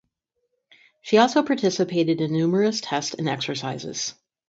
She also participated in numerous tests and exercises.